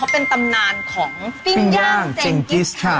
เป็นตำนานของปิ้งย่างเจนกิสค่ะ